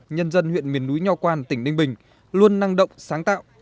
nhân dân huyện miền núi nho quan tỉnh ninh bình luôn năng động sáng tạo